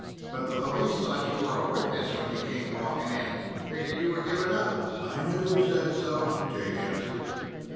But the police thought you were a witness when you came walking in. Figured you were giving up." "I never said so," Jake answered.